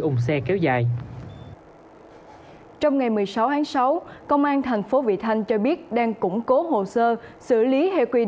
ủng xe kéo dài trong ngày một mươi sáu sáu công an thành phố vị thanh cho biết đang củng cố hồ sơ xử lý hay